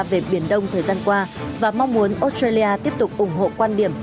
về biển đông thời gian qua và mong muốn australia tiếp tục ủng hộ quan điểm